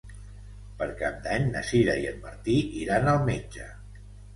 Per Cap d'Any na Sira i en Martí iran al metge.